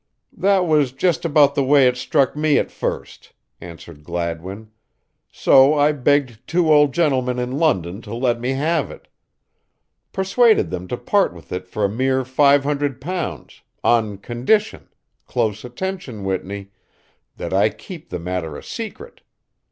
"That was just about the way it struck me at first," answered Gladwin, "so I begged two old gentlemen in London to let me have it. Persuaded them to part with it for a mere five hundred pounds, on condition close attention, Whitney that I keep the matter a secret.